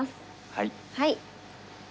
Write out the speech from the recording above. はい。